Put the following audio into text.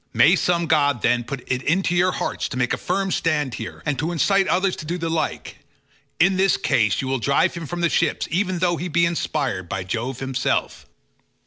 May some god, then, put it into your hearts to make a firm stand here, and to incite others to do the like. In this case you will drive him from the ships even though he be inspired by Jove himself."